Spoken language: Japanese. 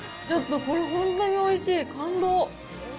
ちょっとこれ、本当においしい、感動。